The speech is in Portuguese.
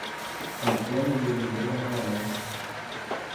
Antônio de Oliveira Magalhaes